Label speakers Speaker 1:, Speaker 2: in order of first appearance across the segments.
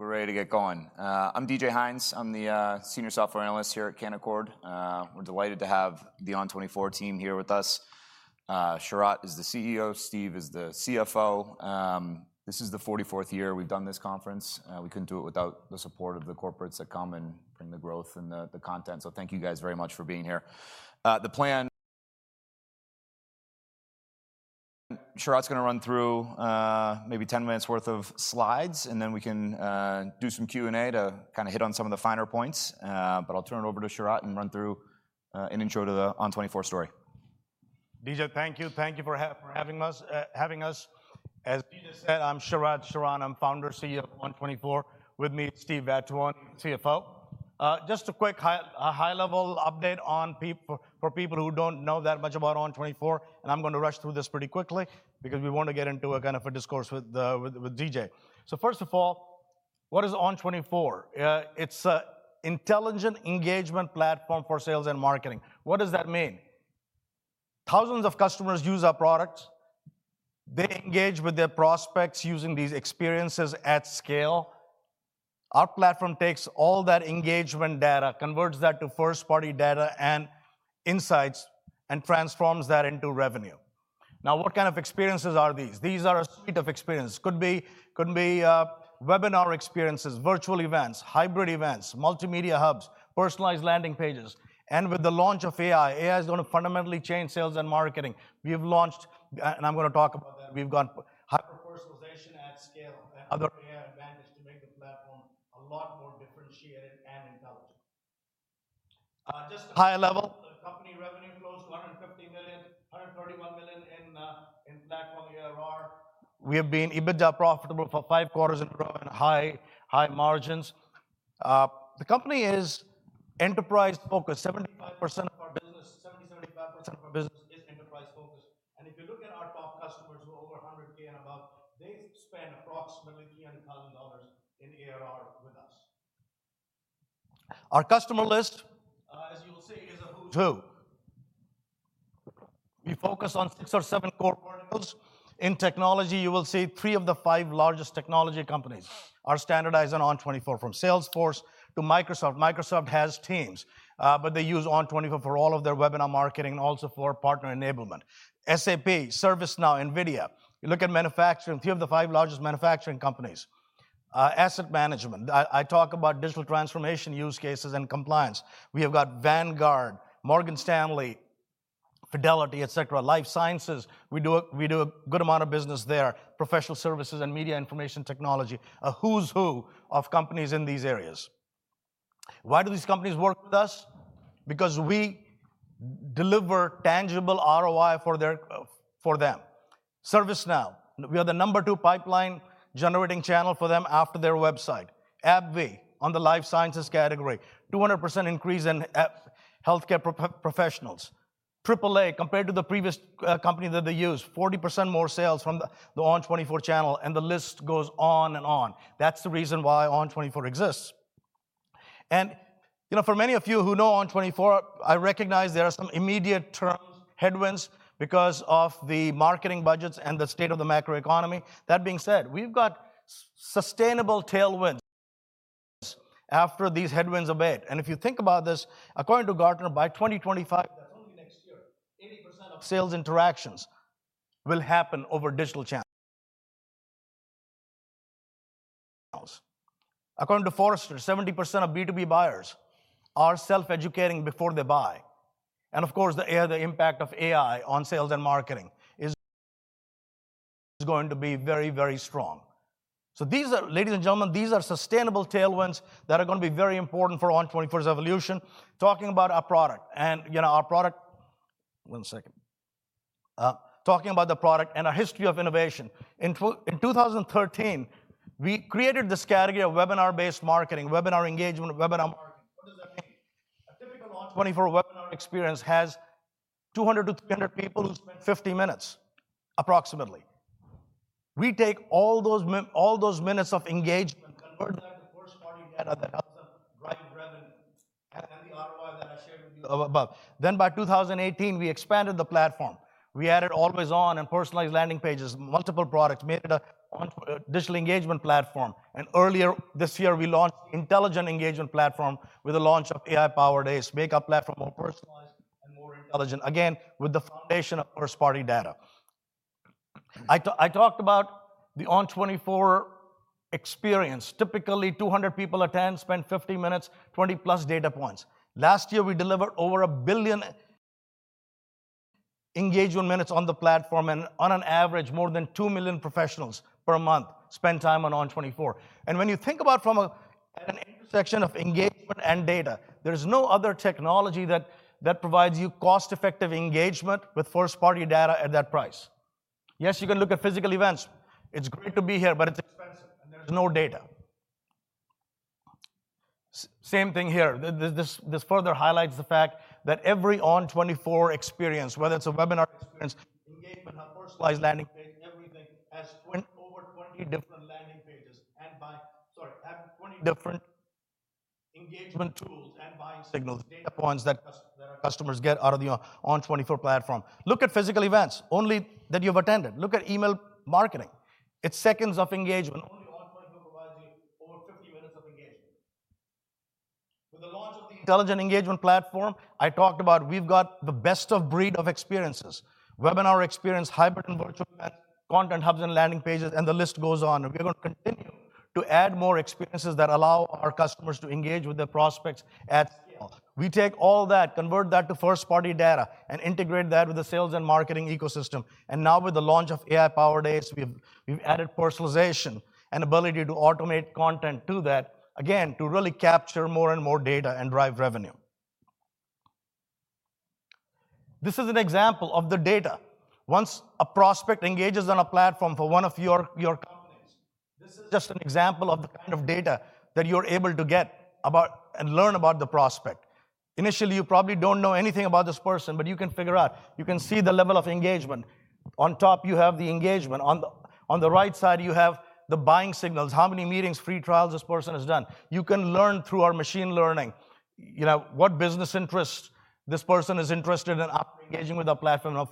Speaker 1: All right, I think we're ready to get going. I'm D.J. Hynes. I'm the senior software analyst here at Canaccord. We're delighted to have the ON24 team here with us. Sharat is the CEO, Steve is the CFO. This is the 44 year we've done this conference. We couldn't do it without the support of the corporates that come and bring the growth and the content. So thank you guys very much for being here. The plan, Sharat's gonna run through maybe 10 minutes worth of slides, and then we can do some Q&A to kinda hit on some of the finer points. But I'll turn it over to Sharat, and run through an intro to the ON24 story.
Speaker 2: D.J., thank you. Thank you for having us, having us. As D.J. said, I'm Sharat Sharan. I'm founder, CEO of ON24. With me, Steven Vattuone, CFO. Just a quick high-level update for people who don't know that much about ON24, and I'm gonna rush through this pretty quickly because we want to get into a kind of a discourse with D.J. So first of all, what is ON24? It's an Intelligent Engagement Platform for sales and marketing. What does that mean? Thousands of customers use our product. They engage with their prospects using these experiences at scale. Our platform takes all that engagement data, converts that to first-party data and insights, and transforms that into revenue. Now, what kind of experiences are these? These are a suite of experience. Could be, could be, webinar experiences, virtual events, hybrid events, multimedia hubs, personalized landing pages. With the launch of AI, AI is going to fundamentally change sales and marketing. We have launched, and I'm gonna talk about that. We've got hyper-personalization at scale, and other AI advantage to make the platform a lot more differentiated and intelligent. Just high level, the company revenue grows $150 million, $131 million in that one ARR. We have been EBITDA profitable for five quarters in a row and high, high margins. The company is enterprise-focused. 75% of our business, 75% of our business is enterprise-focused. And if you look at our top customers who are over 100K and above, they spend approximately $800,000 in ARR with us. Our customer list, as you will see, is a who's who. We focus on six or seven core verticals. In technology, you will see three of the five largest technology companies are standardized on ON24, from Salesforce to Microsoft. Microsoft has Teams, but they use ON24 for all of their webinar marketing, and also for partner enablement. SAP, ServiceNow, NVIDIA. You look at manufacturing, three of the five largest manufacturing companies. Asset management, I talk about digital transformation, use cases, and compliance. We have got Vanguard, Morgan Stanley, Fidelity, et cetera. Life sciences, we do a good amount of business there. Professional services and media information technology, a who's who of companies in these areas. Why do these companies work with us? Because we deliver tangible ROI for them. ServiceNow, we are the number two pipeline-generating channel for them after their website. AbbVie, on the life sciences category, 200% increase in healthcare professionals. AAA, compared to the previous company that they use, 40% more sales from the ON24 channel, and the list goes on and on. That's the reason why ON24 exists. And, you know, for many of you who know ON24, I recognize there are some immediate term headwinds because of the marketing budgets and the state of the macroeconomy. That being said, we've got sustainable tailwinds after these headwinds abate. And if you think about this, according to Gartner, by 2025, that's only next year, 80% of sales interactions will happen over digital channels. According to Forrester, 70% of B2B buyers are self-educating before they buy. Of course, the AI, the impact of AI on sales and marketing is going to be very, very strong. Ladies and gentlemen, these are sustainable tailwinds that are gonna be very important for ON24's evolution. Talking about our product, you know. One second. Talking about the product and our history of innovation. In 2013, we created this category of webinar-based marketing, webinar engagement, webinar marketing. What does that mean? A typical ON24 webinar experience has 200-300 people who spend 50 minutes, approximately. We take all those minutes of engagement, convert that to first-party data that helps us drive revenue, and the ROI that I shared with you about. By 2018, we expanded the platform. We added always-on and personalized landing pages, multiple products, made it an ON24 digital engagement platform. And earlier this year, we launched Intelligent Engagement Platform with the launch of AI-powered ACE, make our platform more personalized and more intelligent, again, with the foundation of first-party data. I talked about the ON24 experience. Typically, 200 people attend, spend 50 minutes, 20+ data points. Last year, we delivered over 1 billion engagement minutes on the platform, and on an average, more than 2 million professionals per month spend time on ON24. And when you think about from an intersection of engagement and data, there's no other technology that provides you cost-effective engagement with first-party data at that price. Yes, you can look at physical events. It's great to be here, but it's expensive, and there's no data. Same thing here. This further highlights the fact that every ON24 experience, whether it's a webinar experience, engagement, or personalized landing page, everything has over 20 different engagement tools and buying signals, data points that our customers get out of the ON24 platform. Look at physical events, only that you've attended. Look at email marketing. It's seconds of engagement. Only ON24 provides you over 50 minutes of engagement. With the launch of the intelligent engagement platform I talked about, we've got the best of breed experiences, webinar experience, hybrid and virtual events, content hubs, and landing pages, and the list goes on. We're gonna continue to add more experiences that allow our customers to engage with their prospects at scale. We take all that, convert that to first-party data, and integrate that with the sales and marketing ecosystem. And now with the launch of AI-powered ACE, we've added personalization and ability to automate content to that, again, to really capture more and more data and drive revenue. This is an example of the data. Once a prospect engages on a platform for one of your companies, this is just an example of the kind of data that you're able to get about and learn about the prospect. Initially, you probably don't know anything about this person, but you can figure out. You can see the level of engagement. On top, you have the engagement. On the right side, you have the buying signals, how many meetings, free trials this person has done. You can learn through our machine learning, you know, what business interests this person is interested in engaging with our platform, and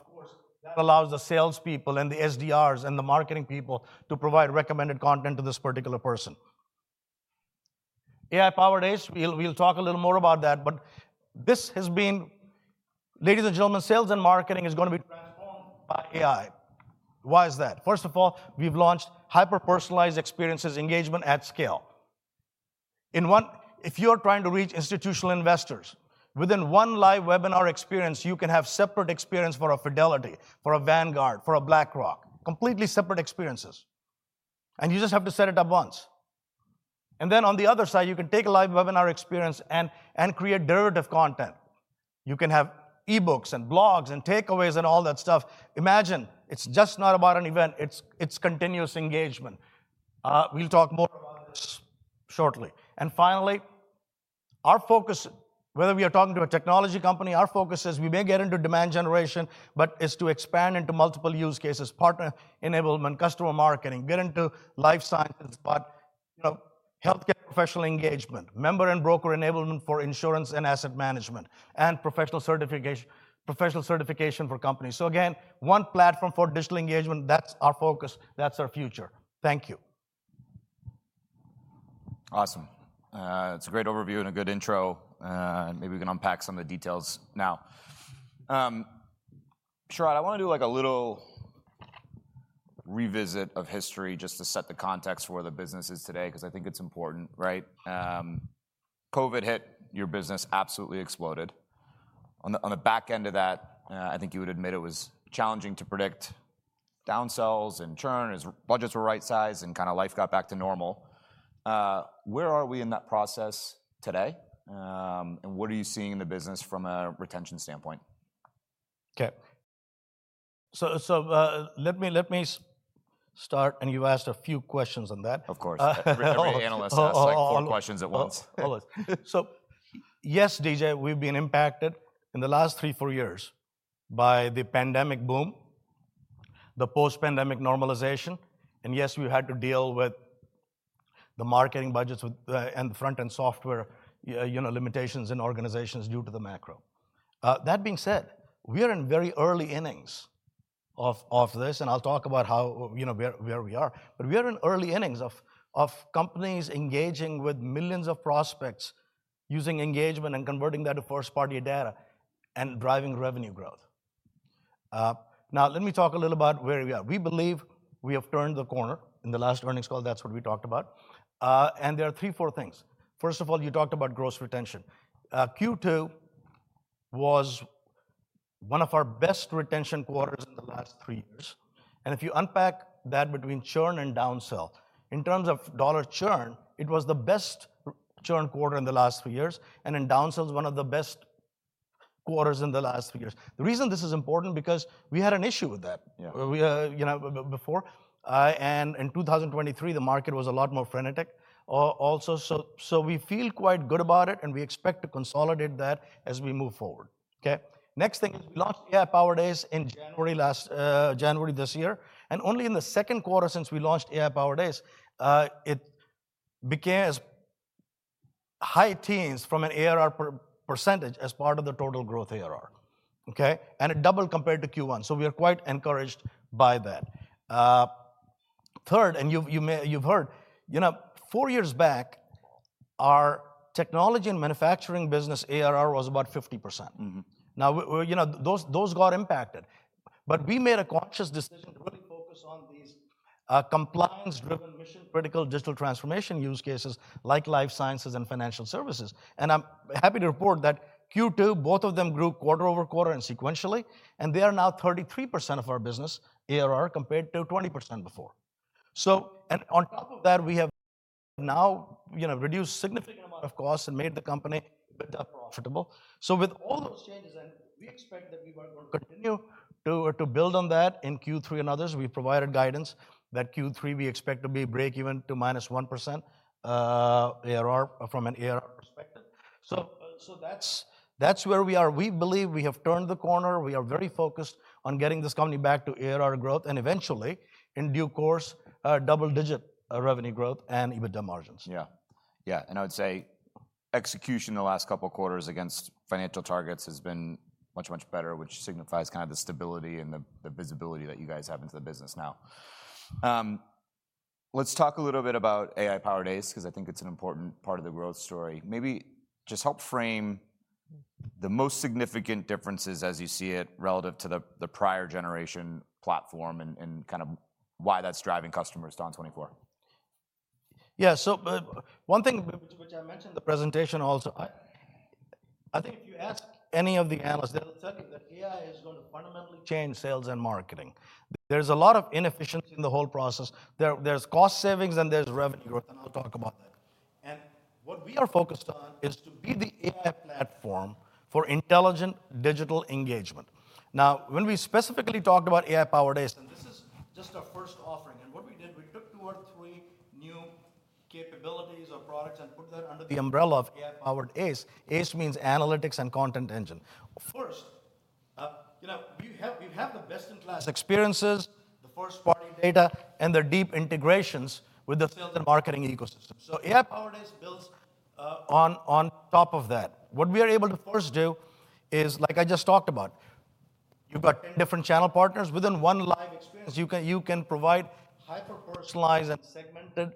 Speaker 2: of course, that allows the salespeople, and the SDRs, and the marketing people to provide recommended content to this particular person. AI-powered ACE, we'll, we'll talk a little more about that, but this has been... Ladies and gentlemen, sales and marketing is gonna be transformed by AI. Why is that? First of all, we've launched hyper-personalized experiences, engagement at scale. In one, if you're trying to reach institutional investors, within one live webinar experience, you can have separate experience for a Fidelity, for a Vanguard, for a BlackRock, completely separate experiences, and you just have to set it up once. And then on the other side, you can take a live webinar experience and, and create derivative content. You can have e-books, and blogs, and takeaways, and all that stuff. Imagine, it's just not about an event, it's, it's continuous engagement. We'll talk more about this shortly. And finally, our focus, whether we are talking to a technology company, our focus is we may get into demand generation, but is to expand into multiple use cases, partner enablement, customer marketing, get into life sciences, but, you know, healthcare professional engagement, member and broker enablement for insurance and asset management, and professional certification, professional certification for companies. So again, one platform for digital engagement, that's our focus, that's our future. Thank you.
Speaker 1: Awesome. It's a great overview and a good intro, and maybe we can unpack some of the details now. Sharat, I wanna do, like, a little revisit of history just to set the context for where the business is today, 'cause I think it's important, right? COVID hit, your business absolutely exploded. On the, on the back end of that, I think you would admit it was challenging to predict down sells and churn as budgets were right-sized and kinda life got back to normal. Where are we in that process today, and what are you seeing in the business from a retention standpoint?
Speaker 2: Okay. So, let me start, and you've asked a few questions on that.
Speaker 1: Of course. Every analyst asks, like, four questions at once.
Speaker 2: So yes, D.J., we've been impacted in the last 3-4 years by the pandemic boom, the post-pandemic normalization, and yes, we had to deal with the marketing budgets with and front-end software, you know, limitations in organizations due to the macro. That being said, we are in very early innings of this, and I'll talk about how, you know, where we are. But we are in early innings of companies engaging with millions of prospects, using engagement and converting that to first-party data and driving revenue growth. Now, let me talk a little about where we are. We believe we have turned the corner. In the last earnings call, that's what we talked about. And there are 3-4 things. First of all, you talked about gross retention. Q2 was one of our best retention quarters in the last three years. If you unpack that between churn and down sell, in terms of dollar churn, it was the best churn quarter in the last three years, and in down sell, it was one of the best quarters in the last three years. The reason this is important, because we had an issue with that, you know, before. And in 2023, the market was a lot more frenetic, also, so we feel quite good about it, and we expect to consolidate that as we move forward, okay? Next thing, we launched AI-powered ACE in January last, January this year, and only in the second quarter since we launched AI-powered ACE, it began as high teens from an ARR percentage as part of the total growth ARR, okay? And it doubled compared to Q1, so we are quite encouraged by that. Third, and you've heard, you know, four years back, our technology and manufacturing business ARR was about 50%. Now, you know, those got impacted, but we made a conscious decision to really focus on these, compliance-driven, mission-critical digital transformation use cases, like life sciences and financial services. And I'm happy to report that Q2, both of them grew quarter-over-quarter and sequentially, and they are now 33% of our business ARR, compared to 20% before. So, and on top of that, we have now, you know, reduced significant amount of costs and made the company a bit more profitable. So with all those changes, and we expect that we are gonna continue to build on that in Q3 and others. We provided guidance that Q3, we expect to be breakeven to -1%, ARR, from an ARR perspective. So, that's where we are. We believe we have turned the corner. We are very focused on getting this company back to ARR growth, and eventually, in due course, double-digit revenue growth and EBITDA margins. Yeah.
Speaker 1: Yeah, and I would say execution in the last couple of quarters against financial targets has been much, much better, which signifies kind of the stability and the visibility that you guys have into the business now. Let's talk a little bit about AI-powered ACE, because I think it's an important part of the growth story. Maybe just help frame the most significant differences as you see it, relative to the prior generation platform and kind of why that's driving customers to ON24.
Speaker 2: Yeah, so, one thing which, which I mentioned in the presentation also, I, I think if you ask any of the analysts, they'll tell you that AI is going to fundamentally change sales and marketing. There's a lot of inefficiency in the whole process. There, there's cost savings, and there's revenue growth, and I'll talk about that. And what we are focused on is to be the AI platform for intelligent digital engagement. Now, when we specifically talked about AI-powered ACE, and this is just our first offering, and what we did, we took two or three new capabilities or products and put that under the umbrella of AI-powered ACE. ACE means Analytics and Content Engine. First, you know, we have, we have the best-in-class experiences, the first-party data, and their deep integrations with the sales and marketing ecosystem. So AI-powered ACE builds on top of that. What we are able to first do is, like I just talked about, you've got 10 different channel partners. Within one live experience, you can, you can provide hyper-personalized and segmented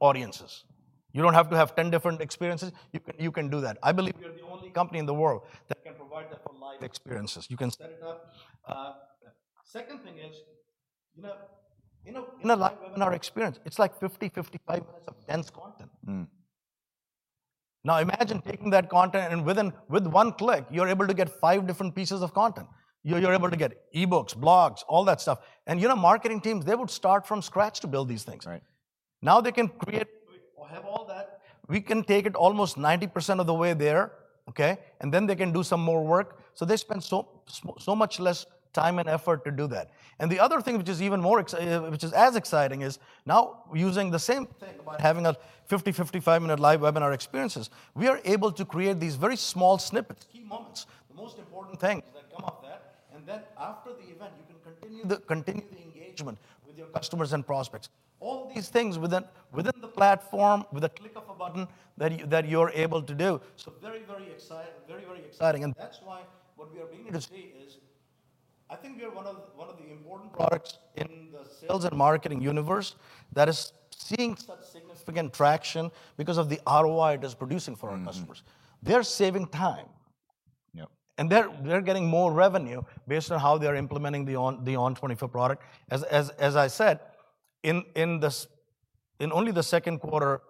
Speaker 2: audiences. You don't have to have 10 different experiences. You can, you can do that. I believe we are the only company in the world that can provide that for live experiences. You can set it up. Second thing is, you know, in a live webinar experience, it's like 50-55 minutes of dense content. Now, imagine taking that content, and within, with one click, you're able to get five different pieces of content. You're able to get e-books, blogs, all that stuff, and, you know, marketing teams, they would start from scratch to build these things.
Speaker 1: Right.
Speaker 2: Now, they can create or have all that. We can take it almost 90% of the way there, okay? And then they can do some more work. So they spend so, so much less time and effort to do that. And the other thing, which is even more exciting, is now using the same thing about having a 50- to 55-minute live webinar experiences, we are able to create these very small snippets, key moments, the most important things that come off that, and then after the event, you can continue the engagement with your customers and prospects. All these things within the platform, with a click of a button, that you're able to do. So very, very exciting. Very, very exciting, and that's why what we are being here today is, I think we are one of, one of the important products in the sales and marketing universe that is seeing such significant traction because of the ROI it is producing for our customers. They're saving time.
Speaker 1: Yeah.
Speaker 2: They're getting more revenue based on how they're implementing the ON24 product. As I said, in only the second quarter,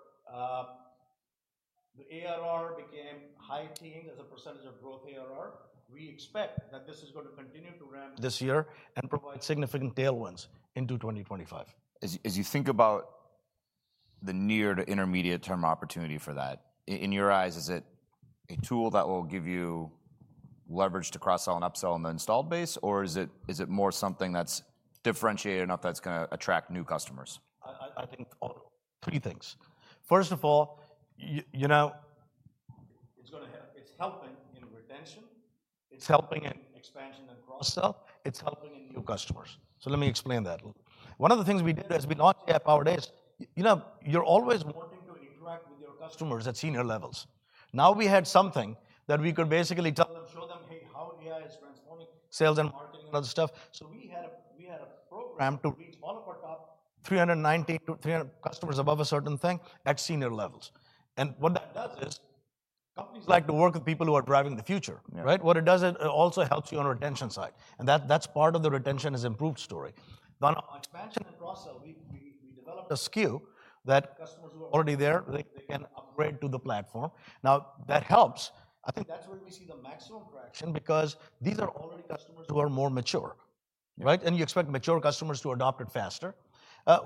Speaker 2: the ARR became high teens as a percentage of growth ARR. We expect that this is going to continue to ramp this year and provide significant tailwinds into 2025.
Speaker 1: As you think about the near to intermediate-term opportunity for that, in your eyes, is it a tool that will give you leverage to cross-sell and upsell on the installed base, or is it more something that's differentiated enough that's gonna attract new customers?
Speaker 2: I think all three things. First of all, you know, it's gonna help, it's helping in retention, it's helping in expansion and cross-sell, it's helping in new customers. So let me explain that. One of the things we did as we launched AI-powered ACE, you know, you're always wanting to interact with your customers at senior levels. Now, we had something that we could basically tell them, show them: "Hey, how AI is transforming sales and marketing and other stuff." So we had a program to reach one of our top 390-300 customers above a certain thing at senior levels. And what that does is, companies like to work with people who are driving the future.
Speaker 1: Yeah.
Speaker 2: Right? What it does, it also helps you on retention side, and that's part of the retention is improved story. Now, on expansion and cross-sell, we developed a SKU that customers who are already there, they can upgrade to the platform. Now, that helps. I think that's where we see the maximum traction because these are already customers who are more mature, right?
Speaker 1: Yeah.
Speaker 2: You expect mature customers to adopt it faster.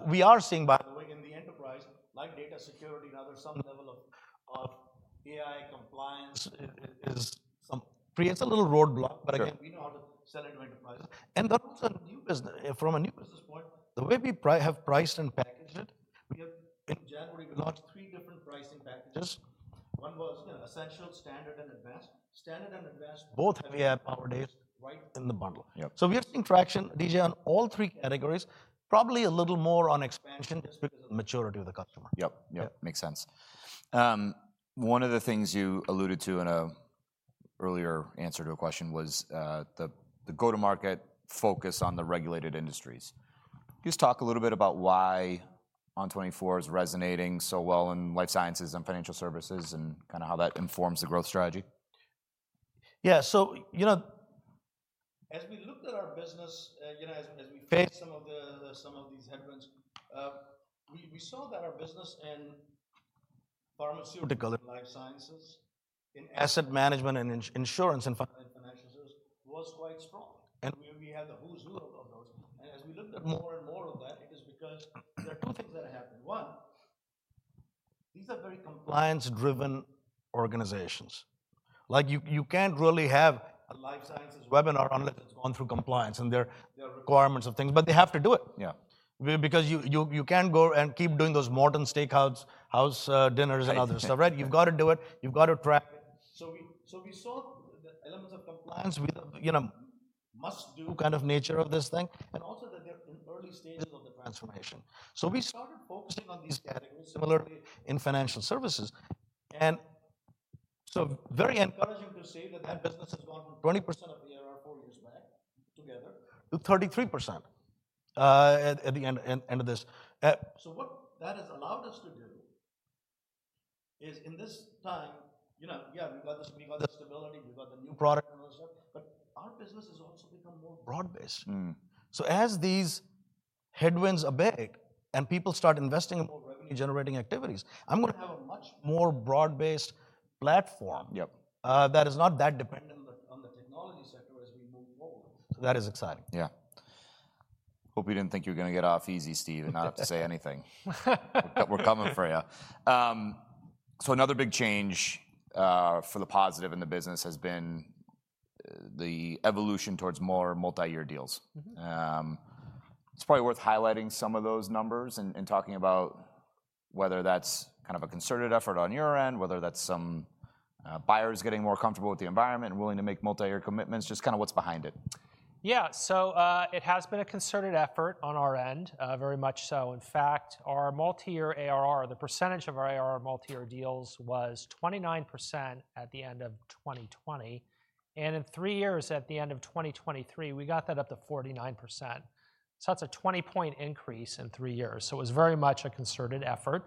Speaker 2: We are seeing, by the way, in the enterprise, like data security and other, some level of AI compliance. It somehow creates a little roadblock.
Speaker 1: Sure.
Speaker 2: But again, we know how to sell into enterprise. And then also, a new business, from a new business point, the way we priced and packaged it, we have, in January, launched three different pricing packages. One was, you know, essential, standard, and advanced. Standard and advanced, both have AI-powered ACE right in the bundle.
Speaker 1: Yep.
Speaker 2: We are seeing traction, D.J., on all three categories. Probably a little more on expansion, just because of the maturity of the customer.
Speaker 1: Yep, yep. Makes sense. One of the things you alluded to in an earlier answer to a question was the go-to-market focus on the regulated industries. Can you just talk a little bit about why ON24 is resonating so well in life sciences and financial services, and kinda how that informs the growth strategy?
Speaker 2: Yeah, so, you know, as we looked at our business, you know, as we faced some of the, some of these headwinds, we saw that our business in pharmaceutical and life sciences, in asset management, and in insurance, and financial services was quite strong, and we had the who's who of those. And as we looked at more and more of that, it is because there are two things that happened. One, these are very compliance-driven organizations, like, you can't really have a life sciences webinar unless it's gone through compliance, and there are requirements and things, but they have to do it.
Speaker 1: Yeah.
Speaker 2: Because you can't go and keep doing those Morton's The Steakhouse dinners and other stuff, right?
Speaker 1: Right.
Speaker 2: You've got to do it. You've got to track it. So we, so we saw the elements of compliance with, you know, must-do kind of nature of this thing, and also that they're in early stages of the transformation. So we started focusing on these categories similarly in financial services. And so very encouraging to see that that business has gone from 20% of the ARR four years back to 33%, at the end of this. So what that has allowed us to do is, in this time, you know, yeah, we've got this, we've got the stability, we've got the new product and all that stuff, but our business has also become more broad-based. As these headwinds abate and people start investing in more revenue-generating activities, I'm gonna have a much more broad-based platform.
Speaker 1: Yep
Speaker 2: That is not that dependent on the technology sector as we move forward. So that is exciting.
Speaker 1: Yeah. Hope you didn't think you were gonna get off easy, Steve, and not have to say anything. We're coming for you. So another big change, for the positive in the business has been the evolution towards more multi-year deals. It's probably worth highlighting some of those numbers and talking about whether that's kind of a concerted effort on your end, whether that's some buyers getting more comfortable with the environment and willing to make multi-year commitments, just kinda what's behind it.
Speaker 3: Yeah. So, it has been a concerted effort on our end, very much so. In fact, our multi-year ARR, the percentage of our ARR multi-year deals was 29% at the end of 2020, and in three years, at the end of 2023, we got that up to 49%. So that's a 20-point increase in three years, so it was very much a concerted effort.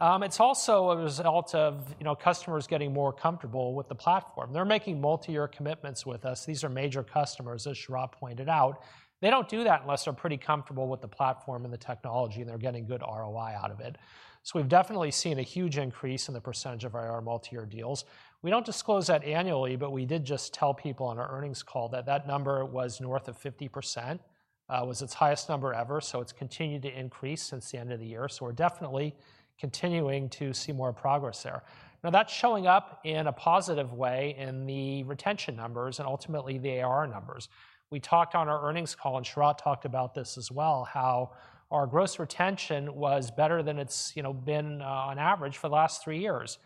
Speaker 3: It's also a result of, you know, customers getting more comfortable with the platform. They're making multi-year commitments with us. These are major customers, as Sharat pointed out. They don't do that unless they're pretty comfortable with the platform and the technology, and they're getting good ROI out of it. So we've definitely seen a huge increase in the percentage of our multi-year deals. We don't disclose that annually, but we did just tell people on our earnings call that that number was north of 50%, was its highest number ever, so it's continued to increase since the end of the year. So we're definitely continuing to see more progress there. Now, that's showing up in a positive way in the retention numbers and ultimately the ARR numbers. We talked on our earnings call, and Sharat talked about this as well, how our gross retention was better than it's, you know, been, on average for the last three years,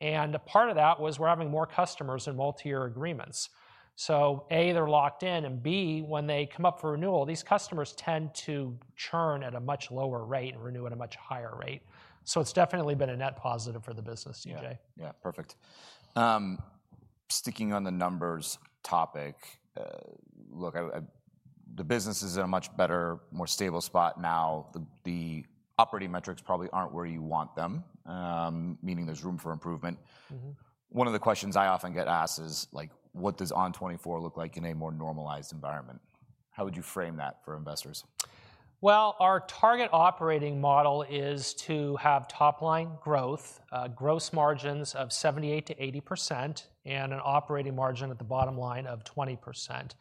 Speaker 3: and a part of that was we're having more customers in multi-year agreements. So, A, they're locked in, and B, when they come up for renewal, these customers tend to churn at a much lower rate and renew at a much higher rate. It's definitely been a net positive for the business, D.J.
Speaker 1: Yeah. Yeah, perfect. Sticking on the numbers topic, the business is in a much better, more stable spot now. The operating metrics probably aren't where you want them, meaning there's room for improvement. One of the questions I often get asked is, like, what does ON24 look like in a more normalized environment? How would you frame that for investors?
Speaker 3: Well, our target operating model is to have top-line growth, gross margins of 78%-80%, and an operating margin at the bottom line of 20%.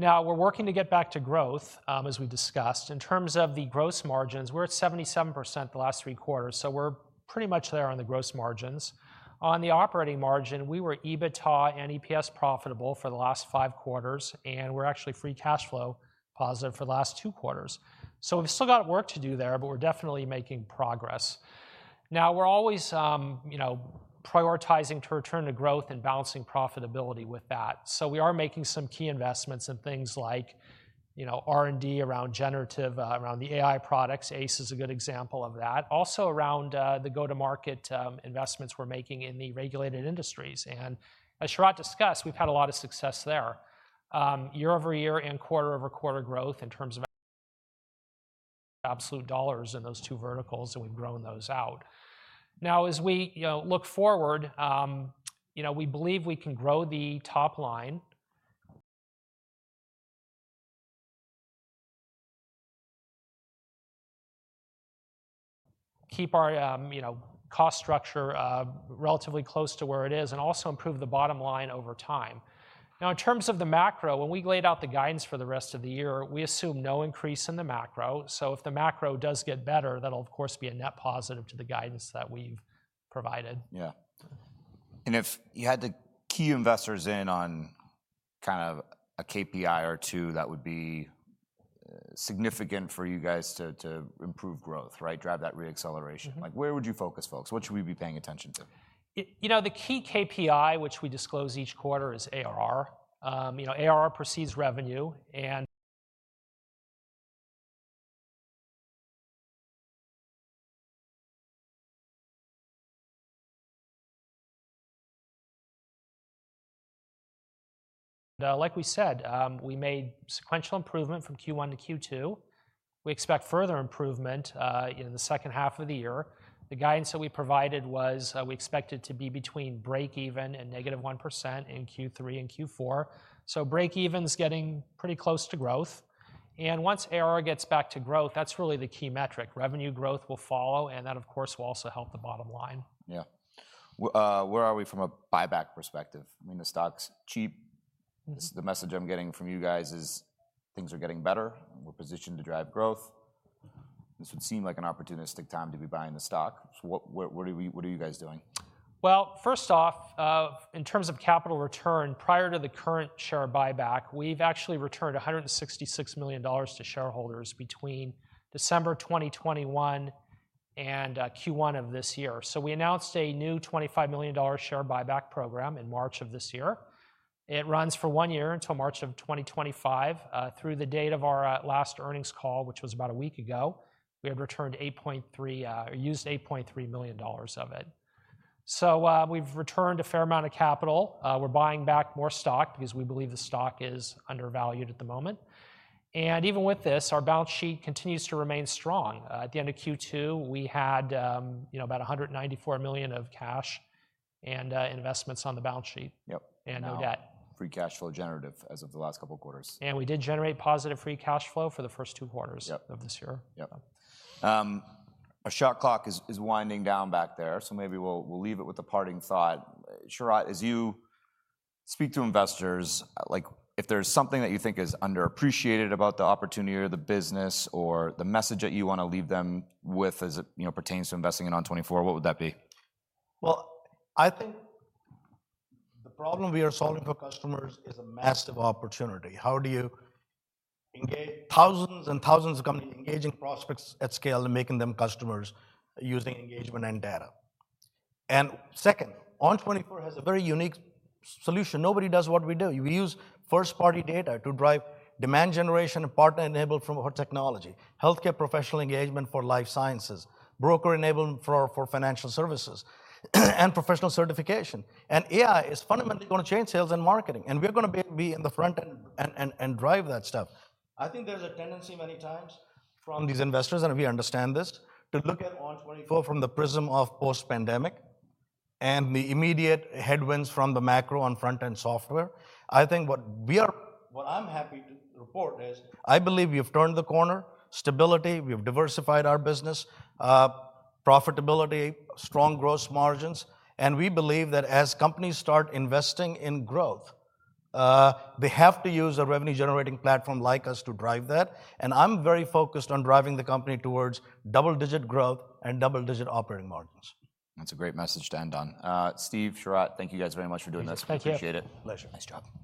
Speaker 3: Now, we're working to get back to growth, as we discussed. In terms of the gross margins, we're at 77% the last three quarters, so we're pretty much there on the gross margins. On the operating margin, we were EBITDA and EPS profitable for the last five quarters, and we're actually free cash flow positive for the last two quarters. So we've still got work to do there, but we're definitely making progress. Now, we're always, you know, prioritizing to return to growth and balancing profitability with that, so we are making some key investments in things like, you know, R&D around generative, around the AI products. ACE is a good example of that. Also, around the go-to-market investments we're making in the regulated industries, and as Sharat discussed, we've had a lot of success there. Year-over-year and quarter-over-quarter growth in terms of absolute dollars in those two verticals, and we've grown those out. Now, as we, you know, look forward, you know, we believe we can grow the top line, keep our, you know, cost structure relatively close to where it is, and also improve the bottom line over time. Now, in terms of the macro, when we laid out the guidance for the rest of the year, we assumed no increase in the macro. So if the macro does get better, that'll of course be a net positive to the guidance that we've provided.
Speaker 1: Yeah. If you had to key investors in on kind of a KPI or two that would be significant for you guys to improve growth, right? Drive that re-acceleration. Like, where would you focus folks? What should we be paying attention to?
Speaker 3: You know, the key KPI, which we disclose each quarter, is ARR. You know, ARR precedes revenue, and, like we said, we made sequential improvement from Q1-Q2. We expect further improvement in the second half of the year. The guidance that we provided was, we expect it to be between break-even and -1% in Q3 and Q4. So break-even's getting pretty close to growth, and once ARR gets back to growth, that's really the key metric. Revenue growth will follow, and that, of course, will also help the bottom line.
Speaker 1: Yeah. Where are we from a buyback perspective? I mean, the stock's cheap. The message I'm getting from you guys is, things are getting better, and we're positioned to drive growth. This would seem like an opportunistic time to be buying the stock. So what, what, what are we, what are you guys doing?
Speaker 3: Well, first off, in terms of capital return, prior to the current share buyback, we've actually returned $166 million to shareholders between December 2021 and Q1 of this year. So we announced a new $25 million share buyback program in March of this year. It runs for one year until March of 2025. Through the date of our last earnings call, which was about a week ago, we have returned $8.3 million or used $8.3 million of it. So we've returned a fair amount of capital. We're buying back more stock because we believe the stock is undervalued at the moment. And even with this, our balance sheet continues to remain strong. At the end of Q2, we had, you know, about $194 million of cash and investments on the balance sheet and no debt.
Speaker 1: Free cash flow generative as of the last couple of quarters.
Speaker 3: We did generate positive free cash flow for the first two quarters of this year.
Speaker 1: Yep. Our shot clock is winding down back there, so maybe we'll leave it with a parting thought. Sharat, as you speak to investors, like, if there's something that you think is underappreciated about the opportunity or the business or the message that you want to leave them with, as it, you know, pertains to investing in ON24, what would that be?
Speaker 2: Well, I think the problem we are solving for customers is a massive opportunity. How do you engage thousands and thousands of companies, engaging prospects at scale and making them customers using engagement and data? And second, ON24 has a very unique solution. Nobody does what we do. We use first-party data to drive demand generation and partner enablement from our technology, healthcare professional engagement for life sciences, broker enablement for, for financial services, and professional certification. And AI is fundamentally gonna change sales and marketing, and we're gonna be, be in the front end and, and, and drive that stuff. I think there's a tendency many times from these investors, and we understand this, to look at ON24 from the prism of post-pandemic, and the immediate headwinds from the macro on front-end software. I think what I'm happy to report is, I believe we have turned the corner. Stability, we have diversified our business, profitability, strong gross margins, and we believe that as companies start investing in growth, they have to use a revenue-generating platform like us to drive that, and I'm very focused on driving the company towards double-digit growth and double-digit operating margins.
Speaker 1: That's a great message to end on. Steve, Sharat, thank you guys very much for doing this.
Speaker 3: Thank you.
Speaker 1: We appreciate it.
Speaker 3: Pleasure.
Speaker 1: Nice job.